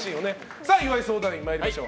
さあ、岩井相談員参りましょう。